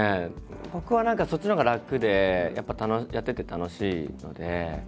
僕は何かそっちのほうが楽でやっぱやってて楽しいので。